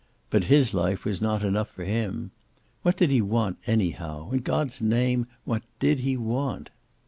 But his life was not enough for him. What did he want anyhow? In God's name, what did he want?